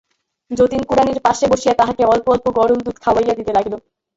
যতীন কুড়ানির পাশে বসিয়া তাহাকে অল্প অল্প গরম দুধ খাওয়াইয়া দিতে লাগিল।